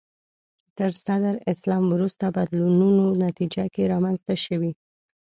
تر صدر اسلام وروسته بدلونونو نتیجه کې رامنځته شوي